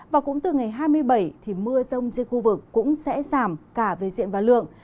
và cũng từ ngày hai mươi bảy thì mưa rông trên khu vực cũng sẽ giảm cả về diện và lượng